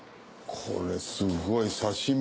これすごい刺し身。